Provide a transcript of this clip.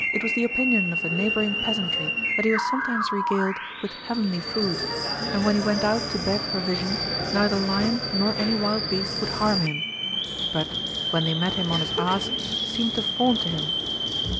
was the opinion of the neighbouring peasantry, that he was sometimes regaled with heavenly food; and when he went out to beg provision, neither lion nor any wild beast would harm him, but, when they met him on his ass, seemed to fawn to him.